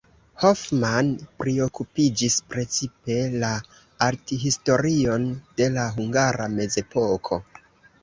Hoffmann priokupiĝis precipe la arthistorion de la hungara mezepoko.